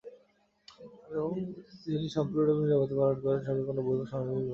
এসময় তিনি সম্পূর্ণরূপে নীরবতা পালন করেন এবং সঙ্গে কোন বই বা সামাজিক যোগাযোগ মাধ্যম ব্যবহার করেন না।